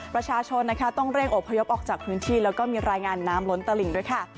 ประชาชนต้องเร่งอบภยบออกจากพื้นที่และมีรายงานน้ำล้นตระหลิงซับไว้ค่ะ